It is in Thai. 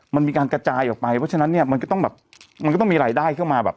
มันมีการกระจายออกไปเพราะฉะนั้นเนี่ยมันก็ต้องแบบมันก็ต้องมีรายได้เข้ามาแบบ